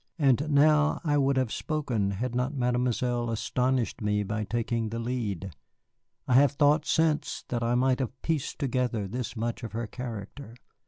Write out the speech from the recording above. And now I would have spoken had not Mademoiselle astonished me by taking the lead. I have thought since that I might have pieced together this much of her character.